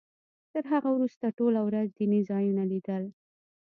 تر هغه وروسته ټوله ورځ دیني ځایونه لیدل.